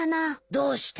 どうして？